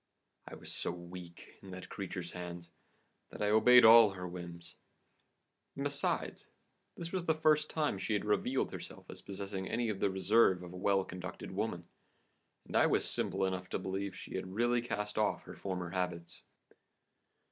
I was so weak in that creature's hands, that I obeyed all her whims. And besides, this was the first time she had revealed herself as possessing any of the reserve of a well conducted woman, and I was simple enough to believe she had really cast off her former habits.